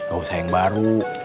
oh saya yang baru